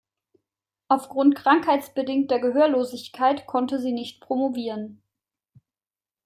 Aufgrund krankheitsbedingter Gehörlosigkeit konnte sie nicht promovieren.